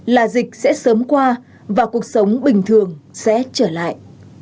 là dịch sẽ sớm qua và cuộc sống bình thường sẽ trở lại